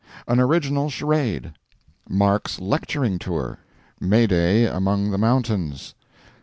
An Original Charade. Mark's Lecturing Tour— May Day Among the Mountains.